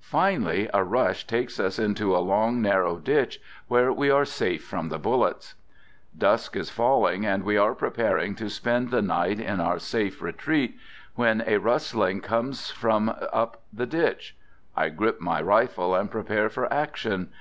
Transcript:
Finally, a rush takes us into a long narrow ditch where we are safe from the bullets. ... Dusk is falling, and we are preparing to spend the night in our safe retreat when a rustling comes from up the ditch. I grip my rifle and prepare for action.